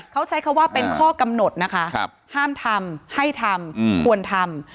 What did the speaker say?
เขาใช้คำว่าเป็นข้อกำหนดนะคะห้ามทำให้ทำควรทำ